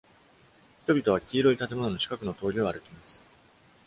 人々は黄色い建物の近くの通りを歩きます。